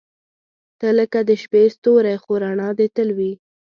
• ته لکه د شپې ستوری، خو رڼا دې تل وي.